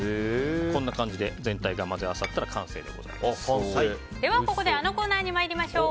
こんな感じで全体が混ぜ合わさったらではここであのコーナーに参りましょう。